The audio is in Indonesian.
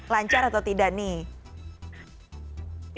lancar atau tidak nih